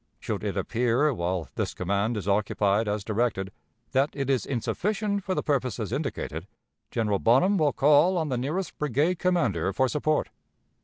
"Should it appear, while this command is occupied as directed, that it is insufficient for the purposes indicated, General Bonham will call on the nearest brigade commander for support.